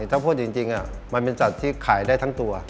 ถ้าพูดจริงมันเป็นสัตว์ที่ขายได้ทั้งตัว